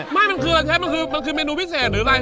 ไม่มันคืออะไรเชฟมันคือมันคือเมนูพิเศษหรืออะไร